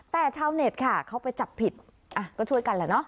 แต่ชาวเน็ตค่ะเขาไปจับผิดอ่ะก็ช่วยกันแหละเนาะ